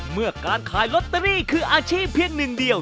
เมื่อการขายลอตเตอรี่คืออาชีพเพียงหนึ่งเดียว